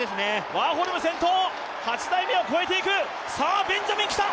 ワーホルム先頭、８台目を越えていく。